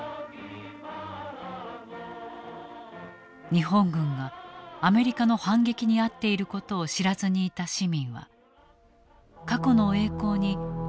日本軍がアメリカの反撃に遭っていることを知らずにいた市民は過去の栄光に喝采を送っていた。